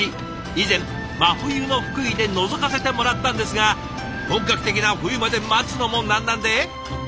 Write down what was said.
以前真冬の福井でのぞかせてもらったんですが本格的な冬まで待つのもなんなんで。